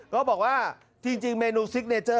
ก็บอกว่าจริงเมนูซิกเนเจอร์